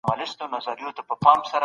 بشریت باید له استبداد څخه خلاص سي.